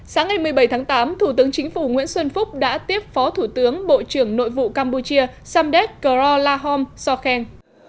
sáng ngày một mươi bảy tháng tám thủ tướng chính phủ nguyễn xuân phúc đã tiếp phó thủ tướng bộ trưởng nội vụ campuchia samdet karolahom sokhen